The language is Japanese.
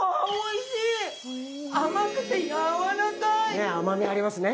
ねっ甘みありますね。